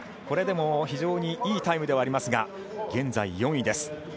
これでも非常にいいタイムではありますが現在４位です。